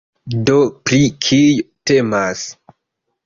Do pri kio temas?